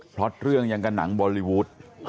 เพราะเรื่องยังกับหนังบอลลีวูด